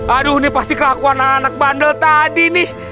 aduh ini pasti kelakuan anak bandel tadi nih